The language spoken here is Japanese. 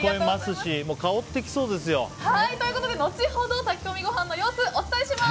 香ってきそうですよ。ということで、後ほど炊き込みご飯の様子お伝えします。